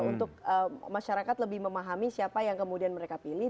untuk masyarakat lebih memahami siapa yang kemudian mereka pilih